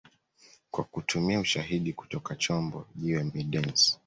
Kwa kutumia ushahidi kutoka chombo jiwe middens